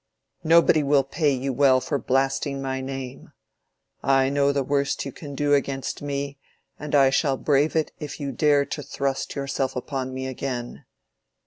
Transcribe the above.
Nobody will pay you well for blasting my name: I know the worst you can do against me, and I shall brave it if you dare to thrust yourself upon me again.